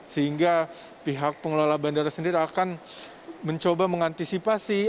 sehingga pihak pengelola bandara sendiri akan mencoba mengantisipasi